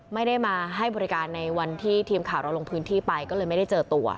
ไม่ได้มาให้บริการในวันที่ทีมข่าวเราลงพื้นที่ไปก็เลยไม่ได้เจอตัว